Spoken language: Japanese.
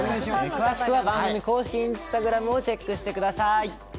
詳しくは番組公式のＩｎｓｔａｇｒａｍをチェックしてみてください。